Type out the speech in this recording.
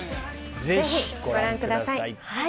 ぜひご覧ください。